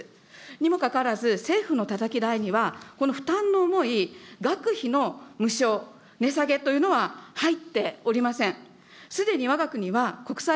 にもかかわらず、政府のたたき台には、この負担の重い学費の無償、値下げというのは入っておりません。